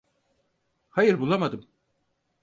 Hayır, bulamadım.